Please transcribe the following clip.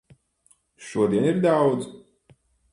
Šodien ir daudz.